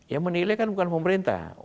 yang menilai kan bukan pemerintah